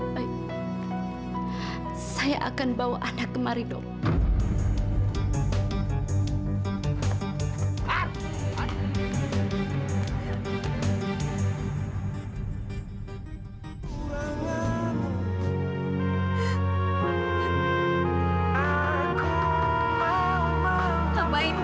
baik saya akan bawa anak kemari dok